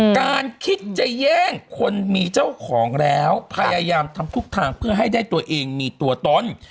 การคิดจะแย่งคนมีเจ้าของแล้วพยายามทำทุกทางเพื่อให้ได้ตัวเองมีตัวตน